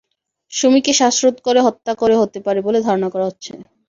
সুমীকে শ্বাসরোধ করে হত্যা করা হতে পারে বলে ধারণা করা হচ্ছে।